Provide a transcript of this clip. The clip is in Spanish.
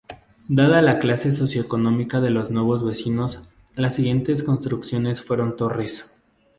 Dada la clase socioeconómica de los nuevos vecinos, las siguientes construcciones fueron torres.